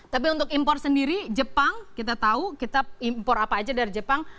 tapi untuk impor sendiri jepang kita tahu kita impor apa aja dari jepang